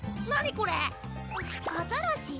これアザラシ？